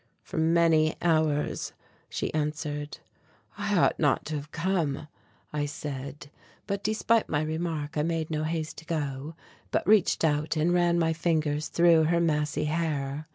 "For many hours," she answered. "I ought not to have come," I said, but despite my remark I made no haste to go, but reached out and ran my fingers through her massy hair.